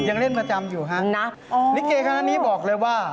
ยังเล่นประจำอยู่ะนะลิเกย์คณะนี้บอกเลยว่าอ๋อ